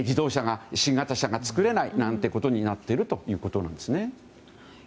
新型車が作れないなんてことになっているということなんですね。